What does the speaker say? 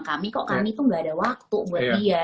kami kok kami tuh gak ada waktu buat dia